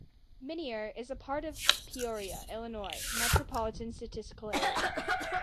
Minier is part of the Peoria, Illinois Metropolitan Statistical Area.